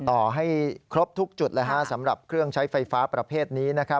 ต่อให้ครบทุกจุดสำหรับเครื่องใช้ไฟฟ้าประเภทนี้